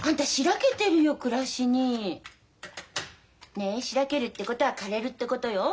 ねえしらけるってことは枯れるってことよ。